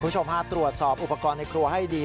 คุณผู้ชมฮะตรวจสอบอุปกรณ์ในครัวให้ดี